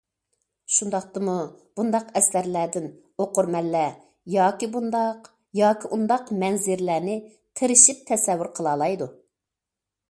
شۇنداقتىمۇ، بۇنداق ئەسەرلەردىن ئوقۇرمەنلەر ياكى بۇنداق ياكى ئۇنداق مەنزىرىلەرنى تىرىشىپ تەسەۋۋۇر قىلالايدۇ.